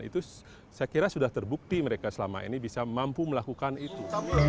itu saya kira sudah terbukti mereka selama ini bisa mampu melakukan itu